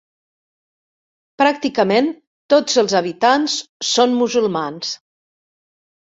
Pràcticament tots els habitants són musulmans.